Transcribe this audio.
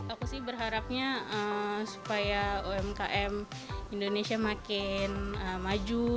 aku sih berharapnya supaya umkm indonesia makin maju